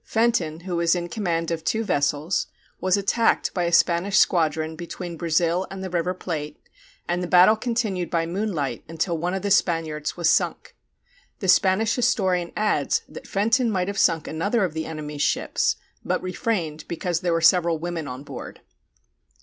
Fenton, who was in command of two vessels, was attacked by a Spanish squadron between Brazil and the River Plate, and the battle continued by moonlight until one of the Spaniards was sunk. The Spanish historian adds that Fenton might have sunk another of the enemy's ships, but refrained because there were several women on board.